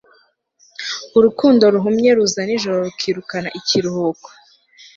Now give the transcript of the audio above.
urukundo ruhumye ruza nijoro rukirukana ikiruhuko